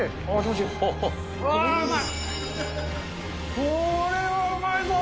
これはうまいぞ！